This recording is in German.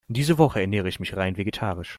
Diese Woche ernähre ich mich rein vegetarisch.